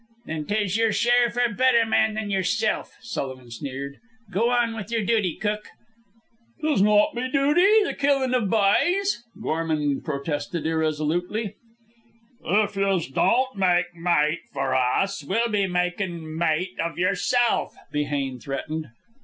"Then 'tis yer share for better men than yerself," Sullivan sneered. "Go on with yer duty, cook." "'Tis not me duty, the killin' of b'ys," Gorman protested irresolutely. "If yez don't make mate for us, we'll be makin' mate of yerself," Behane threatened.